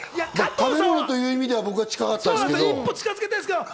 食べ物という意味では僕はちょっと近かったですけど。